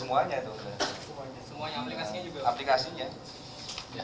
webnya atau aplikasinya pak